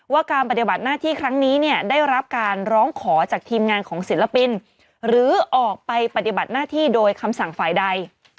การปฏิบัติหน้าที่ครั้งนี้เนี่ยได้รับการร้องขอจากทีมงานของศิลปินหรือออกไปปฏิบัติหน้าที่โดยคำสั่งฝ่ายใด